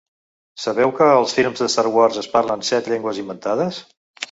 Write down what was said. Sabeu que als films de ‘Star Wars’ es parlen set llengües inventades?